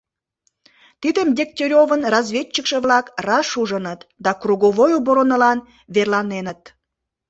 Тидым Дегтяревын разведчикше-влак раш ужыныт да круговой оборонылан верланеныт.